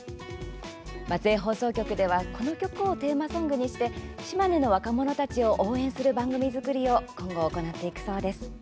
松江放送局ではこの曲をテーマソングにして島根の若者たちを応援する番組作りを今後行っていくそうです。